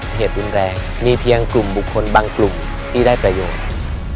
เหตุรุนแรงมีเพียงกลุ่มบุคคลบางกลุ่มที่ได้ประโยชน์